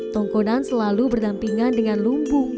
tongkonan selalu berdampingan dengan lumbung